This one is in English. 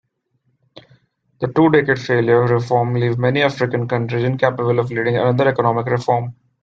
The two-decade failure reform leave many African countries incapable of leading another economic reform.